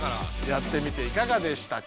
やってみていかがでしたか？